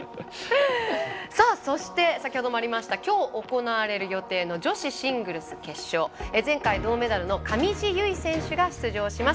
そして先ほどもありましたきょう行われる予定の女子シングルス決勝前回、銅メダルの上地結衣選手が出場します。